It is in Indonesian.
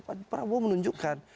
pak prabowo menunjukkan